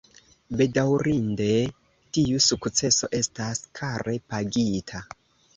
Bedaŭrinde, tiu sukceso estas kare pagita.